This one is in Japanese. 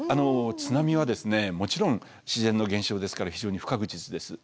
津波はもちろん自然の現象ですから非常に不確実です。